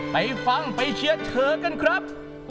ไปฟังไปเชียร์เธอกันครับ